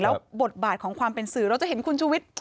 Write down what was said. แล้วบทบาทของความเป็นสื่อเราจะเห็นคุณชุวิต